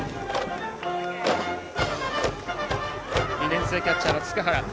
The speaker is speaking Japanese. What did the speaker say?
２年生キャッチャーの塚原。